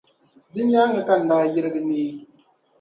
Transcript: Di nyaaŋa ka n daa yirigi neei.